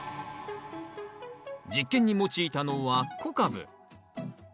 実験に用いたのは小カブ。